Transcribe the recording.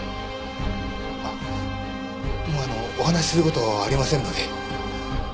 あっもうあのお話しする事ありませんので。